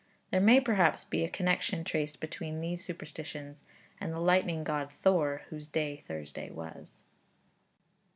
There may perhaps be a connection traced between these superstitions and the lightning god Thor, whose day Thursday was.